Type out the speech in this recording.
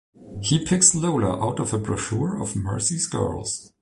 He picks Lola out of a brochure of Mercy's girls.